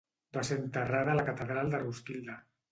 Va ser enterrada a la catedral de Roskilde.